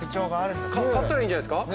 買ったらいいんじゃないですか。